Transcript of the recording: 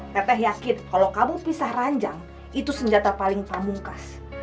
teteh yakin kalau kamu pisah ranjang itu senjata paling pamungkas